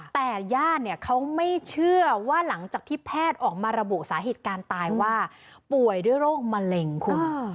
แต่ญาติเนี่ยเขาไม่เชื่อว่าหลังจากที่แพทย์ออกมาระบุสาเหตุการตายว่าป่วยด้วยโรคมะเร็งคุณ